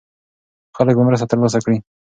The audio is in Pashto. خلک به مرسته ترلاسه کړي.